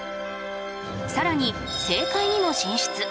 さらに政界にも進出。